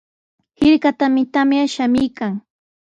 Hirkatami tamya shamuykan.